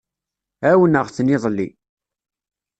Ɛawneɣ-ten iḍelli.